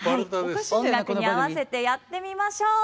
音楽に合わせてやってみましょう。